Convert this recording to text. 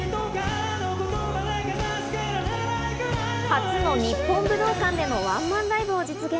初の日本武道館でのワンマンライブを実現。